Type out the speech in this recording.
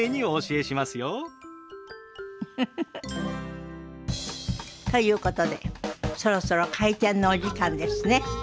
ウフフフ。ということでそろそろ開店のお時間ですね。